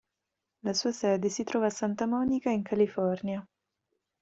La sua sede si trova a Santa Monica, in California.